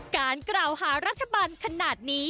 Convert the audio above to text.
การกล่าวหารัฐบาลขนาดนี้